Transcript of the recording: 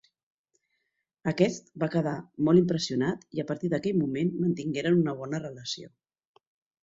Aquest va quedar molt impressionat i a partir d’aquell moment mantingueren una bona relació.